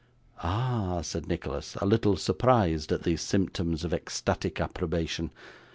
'Ah!' said Nicholas, a little surprised at these symptoms of ecstatic approbation.